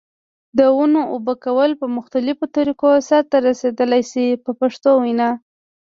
د ونو اوبه کول په مختلفو طریقو سرته رسیدلای شي په پښتو وینا.